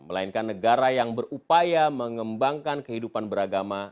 melainkan negara yang berupaya mengembangkan kehidupan beragama